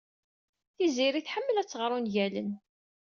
Tiziri tḥemmel ad tɣer ungalen.